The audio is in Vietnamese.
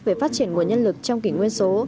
về phát triển nguồn nhân lực trong kỷ nguyên số